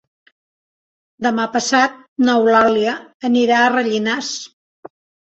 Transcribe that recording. Demà passat n'Eulàlia anirà a Rellinars.